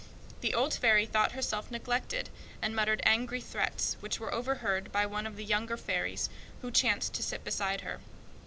The old fairy thought herself neglected, and muttered angry threats, which were overheard by one of the younger fairies, who chanced to sit beside her.